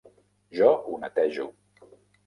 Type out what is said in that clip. Jo ho netejo.